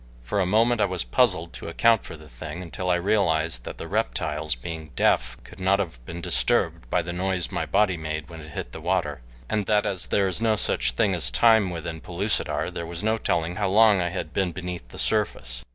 For a moment I was puzzled to account for the thing, until I realized that the reptiles, being deaf, could not have been disturbed by the noise my body made when it hit the water, and that as there is no such thing as time within Pellucidar there was no telling how long I had been beneath the surface.